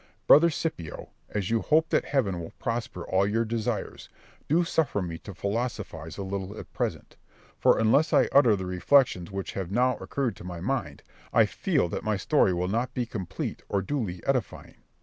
Brother Scipio, as you hope that heaven will prosper all your desires, do suffer me to philosophise a little at present; for unless I utter the reflections which have now occurred to my mind, I feel that my story will not be complete or duly edifying.